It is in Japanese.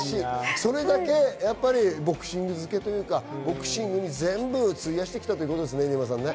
それだけボクシングづけというか、ボクシングに全部費やしてきたということですね。